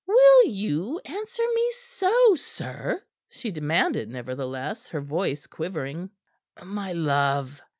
"Will you answer me so, sir?" she demanded, nevertheless, her voice quivering. "My love!"